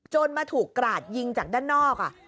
มาถูกกราดยิงจากด้านนอก